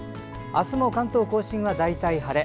明日も関東・甲信は大体晴れ。